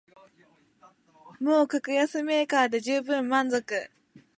もう格安メーカーでじゅうぶん満足